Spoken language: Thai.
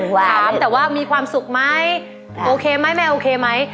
ถามแต่ว่ามีความสุขไหมโอเคไหมแม่โอเคไหม